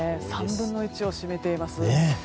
３分の１を占めています。